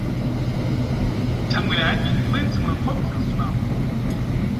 Thangweranyi mwentse muna nkhope za msunamo?